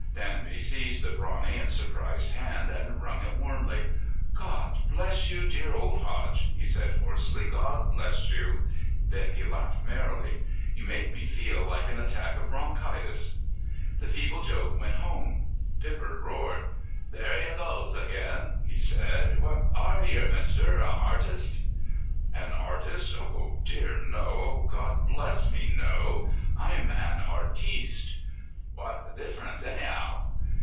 Danby seized the brawny and surprised hand and wrung it warmly. "God bless you, dear old Hodge!" he said hoarsely. "God bless you!" Then he laughed merrily. "You make me feel like an attack of bronchitis." The feeble joke went home. Pippard roared. "There you goes agin," he said. "What are yer, mister? A hartist?" "An artist? Oh, dear no. Oh, God bless me, no! I'm an artiste." "What's the difference, any'ow?"